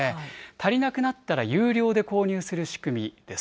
足りなくなったら有料で購入する仕組みです。